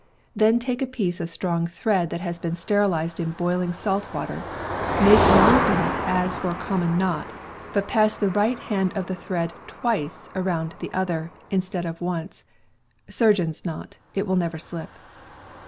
Then take a piece of strong thread that has been sterilized in boiling salt water, make a loop in it as for a common knot, but pass the right hand end of the thread hvice around the other, instead of once (surgeon's knot — it will never slip).